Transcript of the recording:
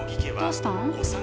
どうしたん？